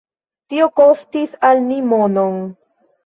Tio kostis al ni monon.